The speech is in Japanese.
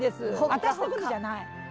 私のことじゃない。